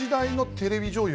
テレビ女優